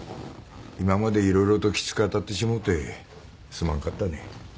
今まで色々ときつく当たってしもうてすまんかったね。